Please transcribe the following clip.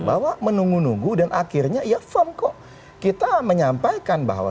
bahwa menunggu nunggu dan akhirnya ya firm kok kita menyampaikan bahwa